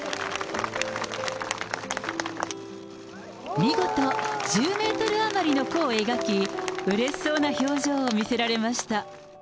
見事、１０メートル余りの弧を描き、うれしそうな表情を見せられました。